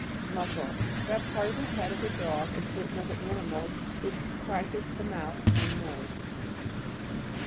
MUZZLE. That part of the head of the dog, and certain other animals, which comprises the mouth and nose.